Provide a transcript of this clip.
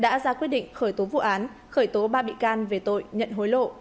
đã ra quyết định khởi tố vụ án khởi tố ba bị can về tội nhận hối lộ